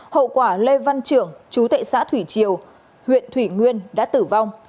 hậu quả lê văn trưởng chú tệ xã thủy triều huyện thủy nguyên đã tử vong